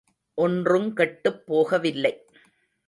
ஒன்றுங் கெட்டுப் போகவில்லை.